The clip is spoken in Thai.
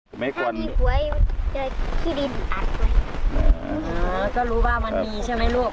ถ้ามีปุ๋ยที่ดินอัดไปอ๋อก็รู้ว่ามันมีใช่ไหมลูก